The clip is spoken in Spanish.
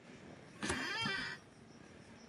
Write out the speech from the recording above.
El cambio de vías se realiza gracias a una pasarela.